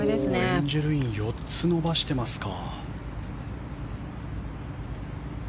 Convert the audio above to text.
エンジェル・イン４つ伸ばしてますか。